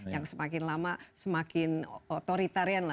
yang semakin lama semakin otoritarian lah